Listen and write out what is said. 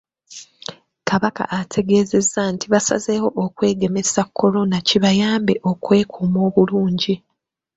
Kabaka ategeezezza nti basazeewo okwegemesa "Corona" kibayambe okwekuuma obulungi.